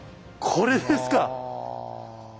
これです。